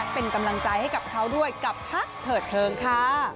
เป็นกำลังใจให้กับเขาด้วยกับพักเถิดเทิงค่ะ